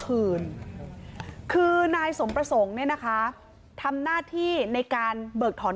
คืนคือนายสมประสงค์เนี่ยนะคะทำหน้าที่ในการเบิกถอน